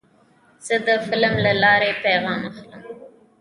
زه د فلم له لارې پیغام اخلم.